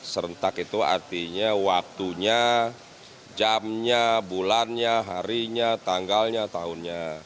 serentak itu artinya waktunya jamnya bulannya harinya tanggalnya tahunnya